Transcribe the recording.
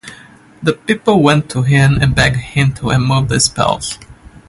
The people went to him and begged him to remove the spells.